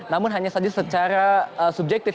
namun hanya saja secara subjektif